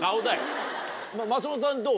松本さんどう？